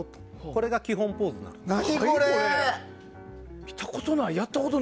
これが基本ポーズです。